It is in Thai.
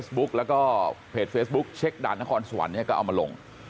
โพสต์เฟซบุ๊กแล้วก็เพจเฟซบุ๊กเช็คด่านนครสวรรค์นี้ก็เอามาลง